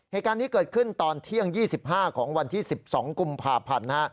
เหตุการณ์นี้เกิดขึ้นตอนเที่ยง๒๕ของวันที่๑๒กุมภาพันธ์